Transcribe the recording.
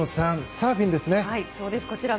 サーフィンですね。